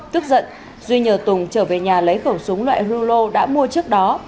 tức giận duy nhờ tùng trở về nhà lấy khẩu súng loại rulo đã mua trước đó